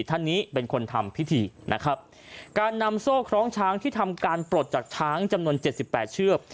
ท่านนี้เป็นคนทำพิธีนะครับการนำโซ่คล้องช้างที่ทำการปลดจากช้างจำนวนเจ็ดสิบแปดเชือก